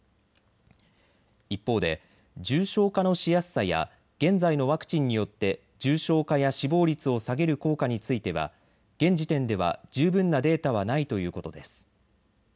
一方で重症化のしやすさや現在のワクチンによって重症化や死亡率を下げる効果については現時点では十分なデータはないということです。